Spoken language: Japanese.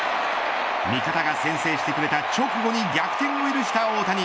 味方が先制してくれた直後に逆転を許した大谷。